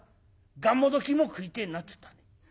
『がんもどきも食いてえな』っつったね。